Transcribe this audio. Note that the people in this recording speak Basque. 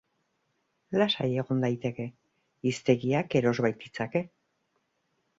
Lasai egon daiteke, hiztegiak eros baititzake.